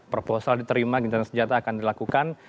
proposal diterima gentar senjata akan dilakukan